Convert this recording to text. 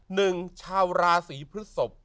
หนึ่งชาวราศีพฤศพ